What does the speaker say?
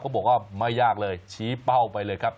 บอกว่าไม่ยากเลยชี้เป้าไปเลยครับ